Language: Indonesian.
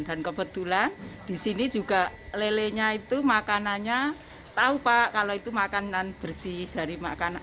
dan kebetulan di sini juga lele nya itu makanannya tahu pak kalau itu makanan bersih dari makanan